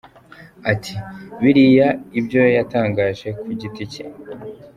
Ati:” Biriya ni ibyo yatangaje ku giti cye.